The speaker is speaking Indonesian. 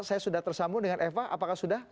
saya sudah tersambung dengan eva apakah sudah